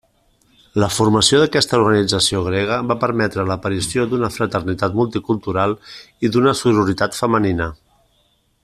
La formació d'aquesta organització grega va permetre l'aparició d'una fraternitat multicultural i d'una sororitat femenina.